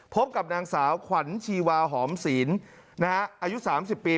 พบกับนางสาวขวัญชีวาหอมศีลนะฮะอายุสามสิบปี